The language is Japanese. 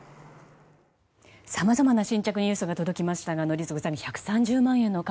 さまざまな新着ニュースが届きましたが、宜嗣さん１３０万円の壁